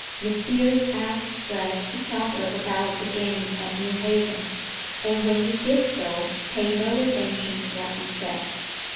Miss Beers asked Fred to tell her about the game at New Haven, and when he did so paid no attention to what he said.